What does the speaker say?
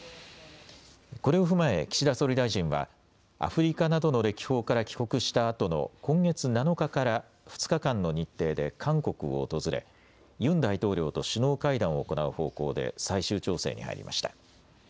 これを踏まえ岸田総理大臣はアフリカなどの歴訪から帰国したあとの今月７日から２日間の日程で韓国を訪れユン大統領と首脳会談を行う方向で最終調整に入りました。